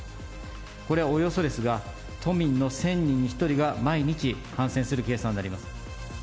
これはおよそですが、都民の１０００人に１人が毎日感染する計算になります。